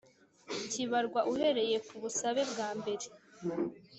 kibarwa uhereye ku busabe bwa mbere